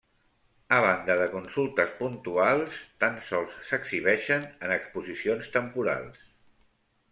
A banda de consultes puntuals, tan sols s'exhibeixen en exposicions temporals.